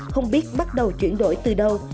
không biết bắt đầu chuyển đổi từ đâu